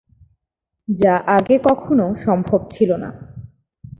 যা আগে কখনও সম্ভব ছিলো না।